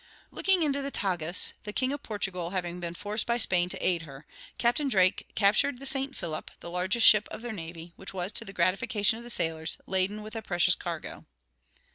Looking into the Tagus, the King of Portugal having been forced by Spain to aid her, Captain Drake captured the Saint Philip, the largest ship of their navy; which was, to the gratification of the sailors, laden with a precious cargo.